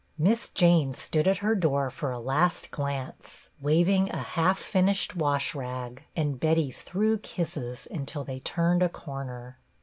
Miss Jane stood at her door for a last glance, waving a half finished wash rag, and Betty threw kisses until they turned a corner.